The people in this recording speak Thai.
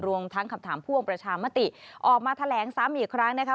รวมทั้งคำถามพ่วงประชามติออกมาแถลงซ้ำอีกครั้งนะคะ